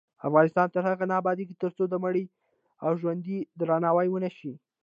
افغانستان تر هغو نه ابادیږي، ترڅو د مړي او ژوندي درناوی ونشي.